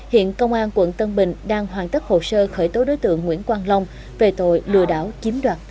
hiện công an quận tân bình đang hoàn tất hồ sơ khởi tố đối tượng nguyễn quang long về tội lừa đảo chiếm đoạt tài sản